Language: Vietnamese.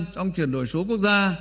trong chuyển đổi số quốc gia